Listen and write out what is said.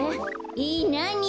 えっなに？